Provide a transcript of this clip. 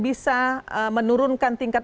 bisa menurunkan tingkat